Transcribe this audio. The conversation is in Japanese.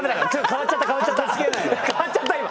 かわっちゃった今。